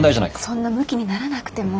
そんなむきにならなくても。